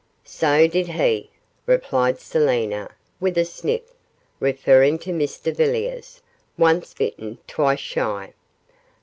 'So did HE,' replied Selina, with a sniff, referring to Mr Villiers; 'once bitten, twice shy.